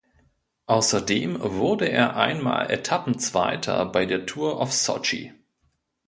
Außerdem wurde er einmal Etappenzweiter bei der Tour of Sochi.